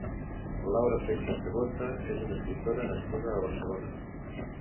Laura Freixas Revuelta és una escriptora nascuda a Barcelona.